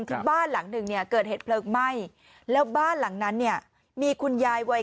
ที่บ้านหลังหนึ่งเนี่ยเกิดเหตุเพลิงไหม้แล้วบ้านหลังนั้นเนี่ยมีคุณยายวัย